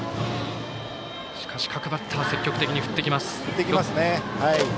しかし各バッター積極的に振ってきます。